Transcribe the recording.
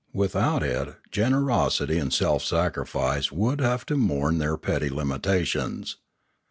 Without it generosity and self sacrifice would have to mourn their petty limitations.